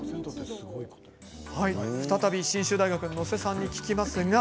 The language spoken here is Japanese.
信州大学の能勢さんに聞きます。